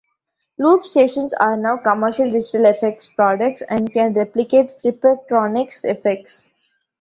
Loop stations are now commercial digital effects products and can replicate Frippertronics effects.